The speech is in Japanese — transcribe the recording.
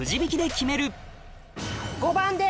５番です。